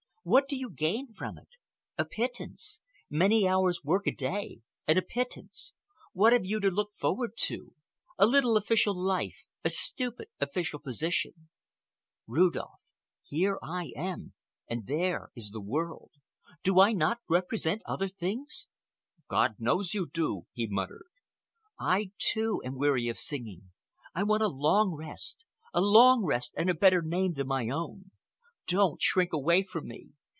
What do you gain from it? A pittance! Many hours work a day and a pittance. What have you to look forward to? A little official life, a stupid official position. Rudolph, here am I, and there is the world. Do I not represent other things?" "God knows you do!" he muttered. "I, too, am weary of singing. I want a long rest—a long rest and a better name than my own. Don't shrink away from me.